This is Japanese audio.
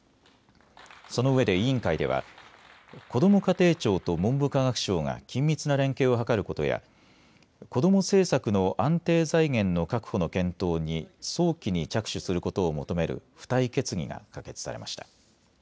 そのうえで委員会ではこども家庭庁と文部科学省が緊密な連携を図ることや子ども政策の安定財源の確保の検討に早期に着手することを求める付帯決議が可決されました。